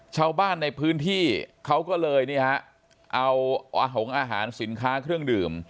ชาวบ้านในพื้นที่เขาก็เลยเอาอาหารสินค้าเครื่องดื่ม